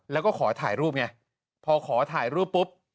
แล้วก็ขอถ่ายรูปไงพอขอถ่ายรูปปุ๊บ